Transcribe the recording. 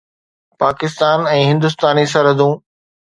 پاڪستان ۽ هندستاني سرحدون